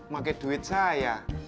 pake duit saya